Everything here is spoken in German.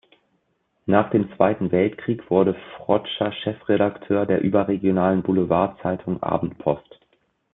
Nach dem Zweiten Weltkrieg wurde Frotscher Chefredakteur der überregionalen Boulevardzeitung "Abendpost".